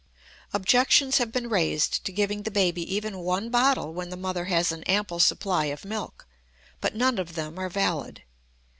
Objections have been raised to giving the baby even one bottle when the mother has an ample supply of milk, but none of them are valid.